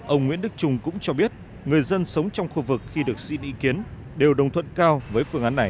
ông nguyễn đức trung cũng cho biết người dân sống trong khu vực khi được xin ý kiến đều đồng thuận cao với phương án này